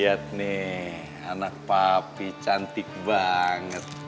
lihat nih anak papi cantik banget